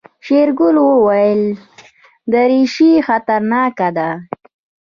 شېرګل وويل دريشي خطرناکه ده.